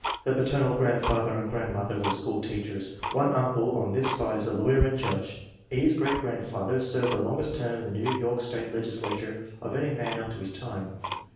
The paternal grandfather and grandmother were school teachers. One uncle on this side is a lawyer and judge. E.'s great grandfather served the longest term in the New York state legisla ture of any man up to his time.